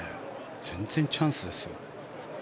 全然チャンスですよ。